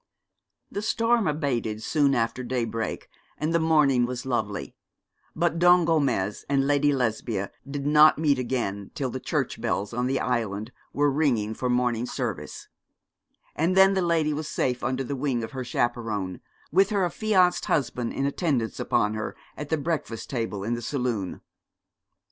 The storm abated soon after daybreak, and the morning was lovely; but Don Gomez and Lady Lesbia did not meet again till the church bells on the island were ringing for morning service, and then the lady was safe under the wing of her chaperon, with her affianced husband in attendance upon her at the breakfast table in the saloon.